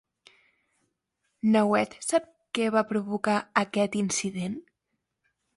Nauert sap què va provocar aquest incident?